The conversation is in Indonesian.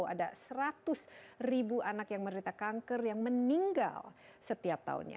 ada seratus ribu anak yang menderita kanker yang meninggal setiap tahunnya